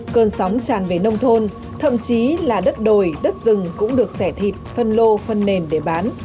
cơn sóng tràn về nông thôn thậm chí là đất đồi đất rừng cũng được xẻ thịt phân lô phân nền để bán